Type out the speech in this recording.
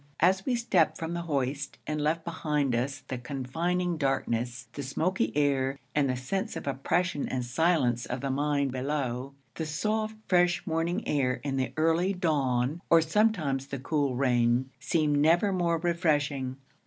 As we stepped from the hoist and left behind us the confining darkness, the smoky air, and the sense of oppression and silence of the mine below, the soft, fresh morning air in the early dawn, or sometimes the cool rain, seemed never more refreshing.